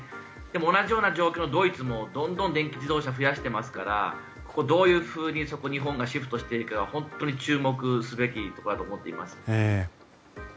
同じような状況でドイツもどんどん電気自動車を増やしていますからここをどういうふうに日本がシフトしていくかが本当に注目すべきところだと思っています。